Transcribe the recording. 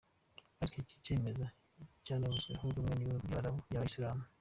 Ariko iki cyemezo nticyavuzweho rumwe n’ibihugu by’Abarabu n’Abayisilamu.